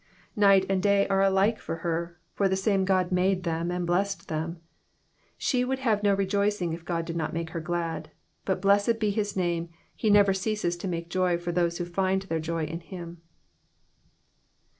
Night and day are alike to her, for the same God made them and blessed them. She would have no rejoicing if God did not make her glad ; but, blessed be his name, he never ceases to make joy for those who find their joy in him.